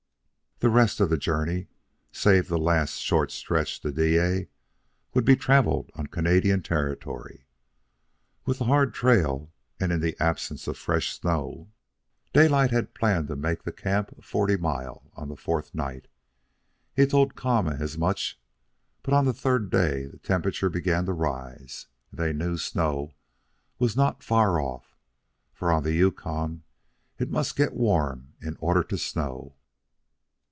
The rest of the journey, save the last short stretch to Dyea, would be travelled on Canadian territory. With the hard trail, and in the absence of fresh snow, Daylight planned to make the camp of Forty Mile on the fourth night. He told Kama as much, but on the third day the temperature began to rise, and they knew snow was not far off; for on the Yukon it must get warm in order to snow.